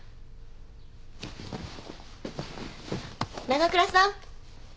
長倉さん。